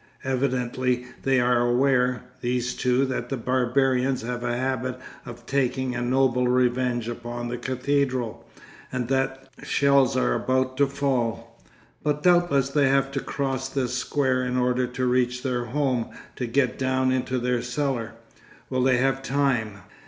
Evidently they are aware, these two, that the barbarians have a habit of taking a noble revenge upon the cathedral, and that shells are about to fall. But doubtless they have to cross this square in order to reach their home, to get down into their cellar. Will they have time?